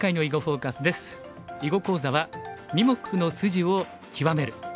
囲碁講座は「二目の筋を極める」。